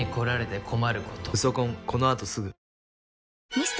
ミスト？